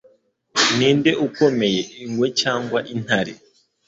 Ninde ukomeye, ingwe cyangwa intare?